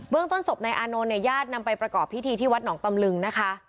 ต้นศพนายอานนท์เนี่ยญาตินำไปประกอบพิธีที่วัดหนองตำลึงนะคะ